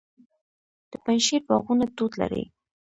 د پنجشیر باغونه توت لري.